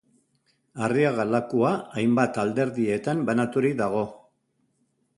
Arriaga-Lakua hainbat alderdietan banaturik dago.